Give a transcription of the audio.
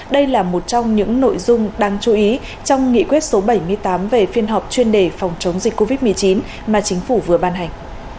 đây là một trong những nội dung đáng chú ý trong nghị quyết số bảy mươi tám về phiên họp chuyên đề phòng chống dịch covid một mươi chín mà chính phủ vừa ban hành